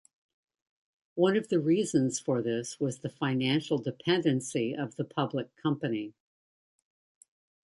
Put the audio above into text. One of the reasons for this was the financial dependency of the public company.